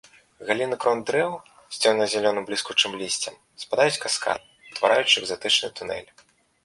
Галіны крон дрэў з цёмна-зялёным бліскучым лісцем спадаюць каскадам, утвараючы экзатычны тунэль.